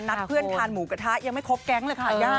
นัดเพื่อนทานหมูกระทะยังไม่ครบแก๊งเลยค่ะ